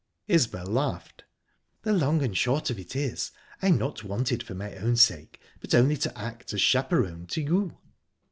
Isbel laughed. "The long and short of it is I'm not wanted for my own sake, but only to act as chaperon to _you."